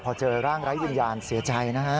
พอเจอร่างไร้วิญญาณเสียใจนะฮะ